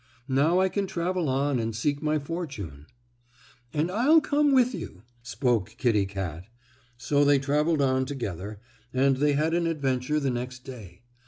Now I can travel on and seek my fortune." "And I'll come with you," spoke Kittie Kat. So they traveled on together, and they had an adventure the next day.